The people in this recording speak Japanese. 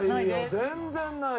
全然ないよ。